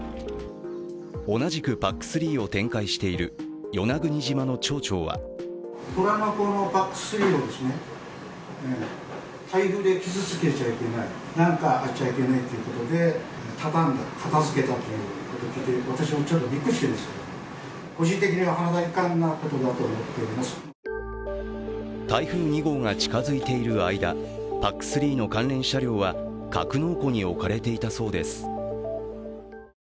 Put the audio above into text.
同じくＰＡＣ−３を展開している与那国島の町長は台風２号が近づいている間、ＰＡＣ−３の関連車両は格納庫に置かれていたそうです。